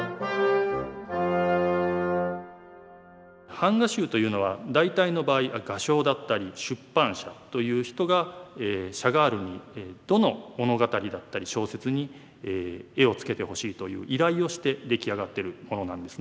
版画集というのは大体の場合画商だったり出版社という人がシャガールにどの物語だったり小説に絵をつけてほしいという依頼をして出来上がってるものなんですね。